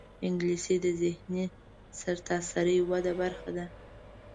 انګلیسي د ذهني سرتاسري وده برخه ده